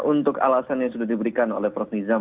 untuk alasan yang sudah diberikan oleh prof nizam